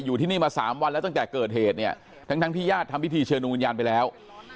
อยู่ที่นี่มา๓วันแล้วตั้งแต่เกิดเหตุเนี่ยทั้งที่ญาติทำพิธีเชิญดวงวิญญาณไปแล้ว